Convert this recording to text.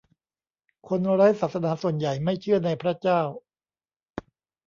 คนไร้ศาสนาส่วนใหญ่ไม่เชื่อในพระเจ้า